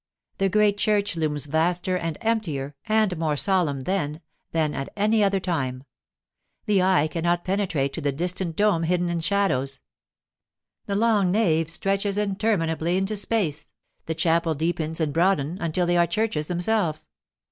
The great church looms vaster and emptier and more solemn then than at any other time. The eye cannot penetrate to the distant dome hidden in shadows. The long nave stretches interminably into space, the chapels deepen and broaden until they are churches themselves.